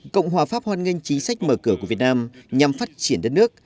cộng hòa pháp hoan nghênh chính sách mở cửa của việt nam nhằm phát triển đất nước